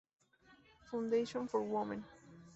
Foundation for Women.